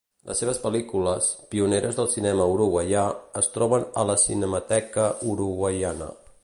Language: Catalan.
Les seves pel·lícules, pioneres del cinema uruguaià, es troben a la Cinemateca Uruguaiana.